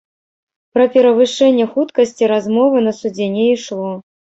Пра перавышэнне хуткасці размовы на судзе не ішло.